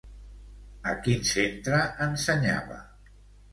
A quin centre ensenyava?